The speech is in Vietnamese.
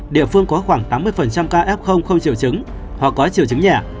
địa phương có khoảng tám mươi ca f không triệu chứng hoặc có triệu chứng nhẹ